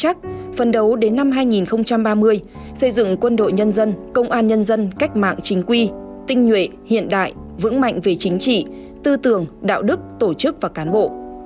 xây dựng quân đội công an tinh gọn mạnh tạo tiền đề vững chắc phân đấu đến năm hai nghìn ba mươi xây dựng quân đội nhân dân công an nhân dân cách mạng chính quy tinh nhuệ hiện đại vững mạnh về chính trị tư tưởng đạo đức tổ chức và cán bộ